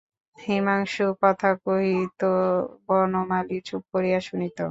হিমাংশু কথা কহিত, বনমালী চুপ করিয়া শুনিত।